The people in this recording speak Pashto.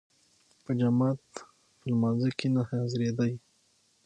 په جماعت په لمانځه کې نه حاضرېدی.